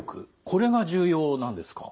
これが重要なんですか？